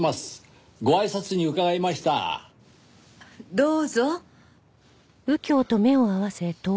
どうぞ。